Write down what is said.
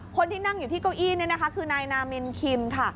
คนที่นั่งอยู่ที่เก้าอี้นี่นะคะคือนายนามินคิมค่ะ